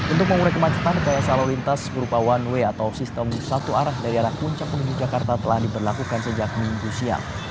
untuk mengurangi macetan daya salur lintas berupa one way atau sistem satu arah dari arah puncak penginjakarta telah diberlakukan sejak minggu siang